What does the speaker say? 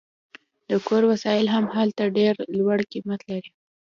د کور وسایل هم هلته ډیر لوړ قیمت لري